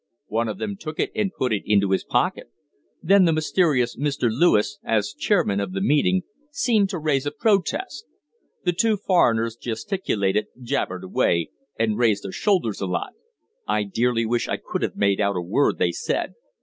One of them took it and put it into his pocket. Then the mysterious Mr. Lewis, as chairman of the meeting, seemed to raise a protest. The two foreigners gesticulated, jabbered away, and raised their shoulders a lot. I dearly wish I could have made out a word they said.